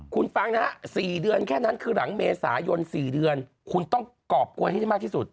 คุณฟังนะฮะ๔เดือนแค่นั้นคือหลังเมษายน๔เดือนคุณต้องกรอบกวยให้ได้มากที่สุด